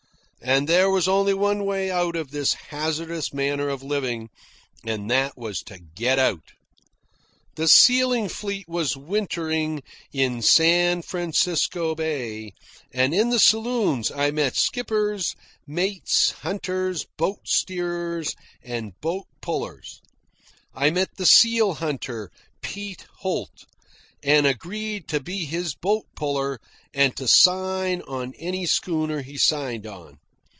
And there was only one way out of this hazardous manner of living, and that was to get out. The sealing fleet was wintering in San Francisco Bay, and in the saloons I met skippers, mates, hunters, boat steerers, and boat pullers. I met the seal hunter, Pete Holt, and agreed to be his boat puller and to sign on any schooner he signed on.